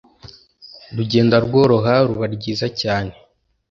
rugenda rworoha ruba ryiza cyane.